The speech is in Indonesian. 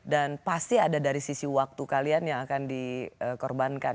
dan pasti ada dari sisi waktu kalian yang akan dikorbankan